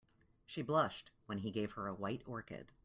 She blushed when he gave her a white orchid.